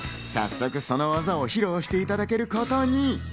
早速その技を披露していただけることに。